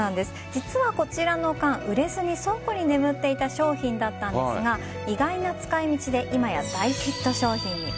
実はこちらの缶売れずに倉庫に眠っていた商品だったんですが意外な使い道で今や大ヒット商品に。